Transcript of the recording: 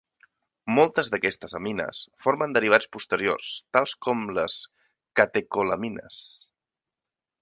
Moltes d'aquestes amines formen derivats posteriors, tals com les catecolamines.